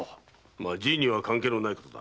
まあじいには関係のないことだ。